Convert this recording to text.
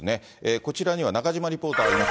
こちらには中島リポーターがいます。